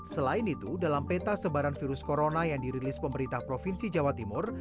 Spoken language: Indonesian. selain itu dalam peta sebaran virus corona yang dirilis pemerintah provinsi jawa timur